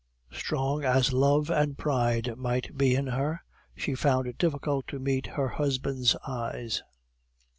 Strong as love and pride might be in her, she found it difficult to meet her husband's eyes.